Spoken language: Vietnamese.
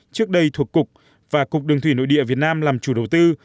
trước đây thuộc cục và cục đường thủy nội địa việt nam làm chủ đầu tư